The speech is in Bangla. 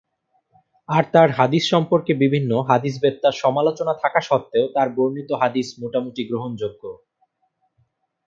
আর তাঁর হাদীস সম্পর্কে বিভিন্ন হাদীসবেত্তার সমালোচনা থাকা সত্ত্বেও তাঁর বর্ণিত হাদীস মোটামুটি গ্রহণযোগ্য।